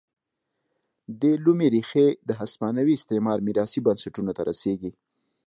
دې لومې ریښې د هسپانوي استعمار میراثي بنسټونو ته رسېږي.